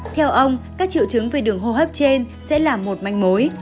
theo ông các triệu chứng về đường hô hấp trên sẽ là một manh mối